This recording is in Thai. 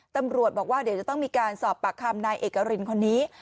ตำรวจบอกว่าเดี๋ยวจะต้องมีการสอบปากคำนายเอกรินคนนี้